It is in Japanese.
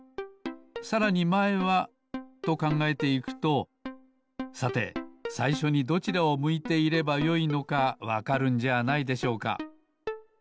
さらにまえはとかんがえていくとさてさいしょにどちらを向いていればよいのかわかるんじゃないでしょうか。